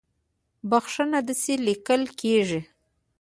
بخښنه داسې ليکل کېږي